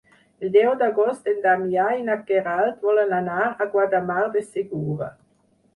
El deu d'agost en Damià i na Queralt volen anar a Guardamar del Segura.